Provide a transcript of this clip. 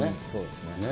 そうですね。